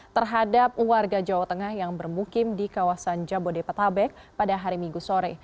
terhadap warga jawa tengah yang bermukim di kawasan jabodetabek pada hari minggu sore